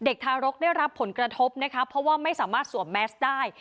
เด็กทารกได้รับผลกระทบเพราะว่าไม่สามารถสวมมาสสะชัยได้